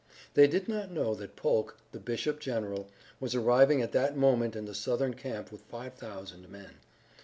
They did not know that Polk, the bishop general, was arriving at that moment in the Southern camp with five thousand men.